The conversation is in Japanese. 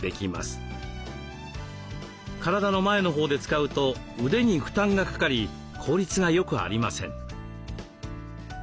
体の前のほうで使うと腕に負担がかかり効率がよくありません。